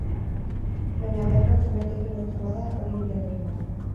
Baina Bergen zerbaitekin lotzen bada, hori euriarekin dugu.